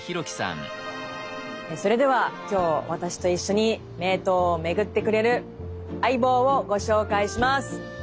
それでは今日私と一緒に名刀を巡ってくれる相棒をご紹介します。